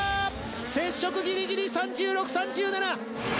接触ギリギリ３６３７！